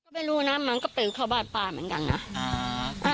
ไม่รู้นะมันก็ปีนเข้าบ้านป้าเหมือนกันนะ